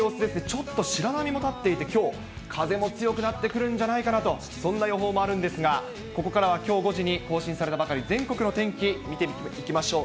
ちょっと白波も立っていて、きょう、風も強くなってくるんじゃないかなと、そんな予報もあるんですが、ここからはきょう５時に更新されたばかり、全国の天気、見ていきましょう。